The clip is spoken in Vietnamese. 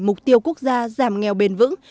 mục tiêu quốc gia giảm nghèo bền vững